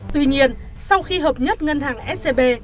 tuy nhiên sau khi hợp nhất ngân hàng scb